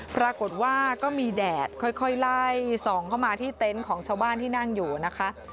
ปรากฏว่าก็มีแดดค่อยไล่ส่องเข้ามาที่เต็นต์ของชาวบ้านที่นั่งอยู่นะคะ